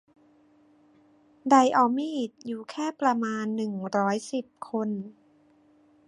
ไดออมีด อยู่แค่ประมาณ หนึ่งร้อยสิบ คน